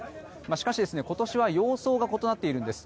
しかし、今年は様相が異なっているんです。